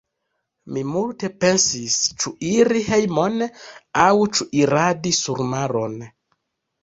Mi multe pensis; ĉu iri hejmon, aŭ ĉu iradi surmaron.